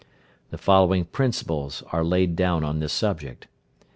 The following principles are laid down on this subject.